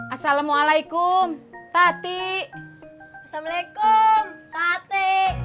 assalamualaikum tati assalamualaikum tati